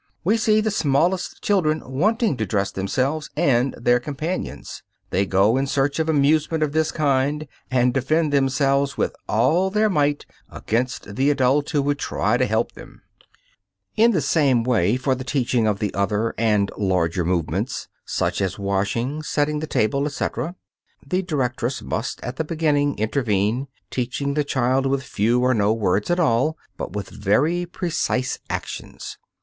We see the smallest children wanting to dress themselves and their companions. They go in search of amusement of this kind, and defend themselves with all their might against the adult who would try to help them. [Illustration: FIG. 4. CHILD BUTTONING ON FRAME. (PHOTO TAKEN AT MR. HAWKER'S SCHOOL AT RUNTON.)] In the same way for the teaching of the other and larger movements, such as washing, setting the table, etc., the directress must at the beginning intervene, teaching the child with few or no words at all, but with very precise actions.